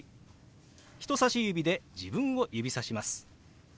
人さし指で自分を指さします。